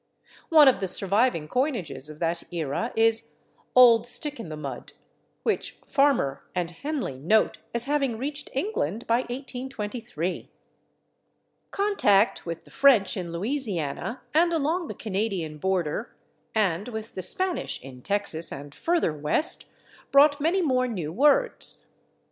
One of the surviving coinages of that era is /Old Stick in the Mud/, which Farmer and Henley note as having reached England by 1823. Contact with the French in Louisiana and along the Canadian border, and with the Spanish in Texas and further West, brought many more new words.